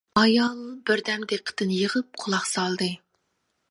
ئايال بىردەم دىققىتىنى يىغىپ قۇلاق سالدى.